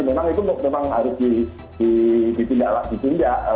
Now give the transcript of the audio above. memang itu memang harus di pindah pindah